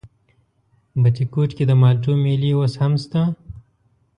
بټي کوټ کې د مالټو مېلې اوس هم شته؟